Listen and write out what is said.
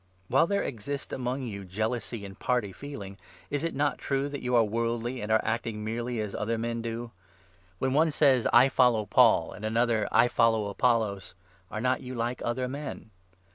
While there exist among you work of the jealousy and party feeling, is it not true that you Apostles. are Worldly, and are acting merely as other men do? When one says 'I follow Paul,' and another 'I 4 follow Apollos,' are not you like other men